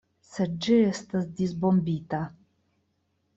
Sed ĝi estas disbombita!